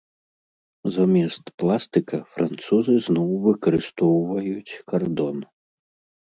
Замест пластыка французы зноў выкарыстоўваюць кардон.